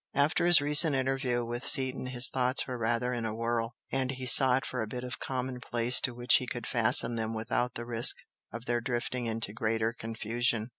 After his recent interview with Seaton his thoughts were rather in a whirl, and he sought for a bit of commonplace to which he could fasten them without the risk of their drifting into greater confusion.